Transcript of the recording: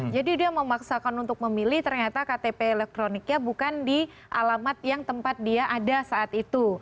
dia memaksakan untuk memilih ternyata ktp elektroniknya bukan di alamat yang tempat dia ada saat itu